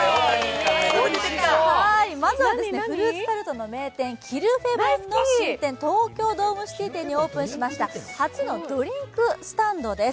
まずは、フルーツタルトの名店、キルフェボンの新店、東京ドームシティ店にオープンしました初のドリンクスタンドです。